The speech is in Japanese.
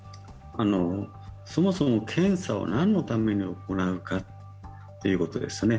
そもそも検査は何のために行うかということですね。